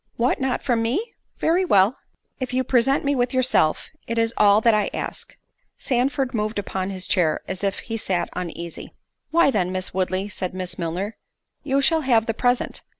"What not from me? Very well." "If you present me with yourself, it is all that I ask." Sandford moved upon his chair, as if he sat uneasy. "Why then, Miss Woodley," said Miss Milner, "you shall have the present.